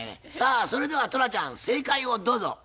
さあそれではトラちゃん正解をどうぞ。